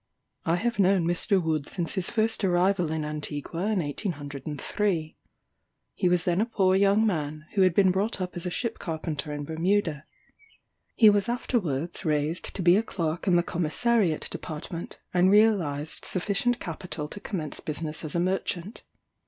"I have known Mr. Wood since his first arrival in Antigua in 1803. He was then a poor young man, who had been brought up as a ship carpenter in Bermuda. He was afterwards raised to be a clerk in the Commissariat department, and realised sufficient capital to commence business as a merchant.